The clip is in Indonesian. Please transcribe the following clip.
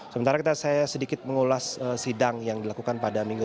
sementara saya sedikit mengulas sidang yang dilakukan pada minggu